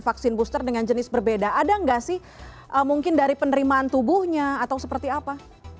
vaksin booster dengan jenis berbeda ada nggak sih mungkin dari penerimaan tubuhnya atau seperti apa